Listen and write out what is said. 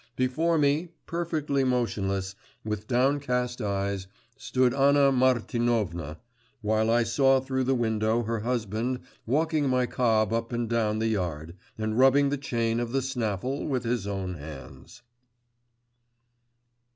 Before me, perfectly motionless, with downcast eyes, stood Anna Martinovna, while I saw through the window her husband walking my cob up and down the yard, and rubbing the chain of the snaffle with his own hands.